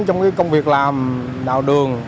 trong cái công việc làm đào đường